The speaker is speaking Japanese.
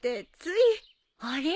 あれ？